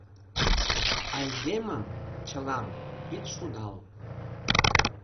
Айдемым, чылам, ит шудал.